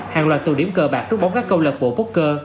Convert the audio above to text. hàng loạt tù điểm cờ bạc rút bóng các công lập bộ bốc cơ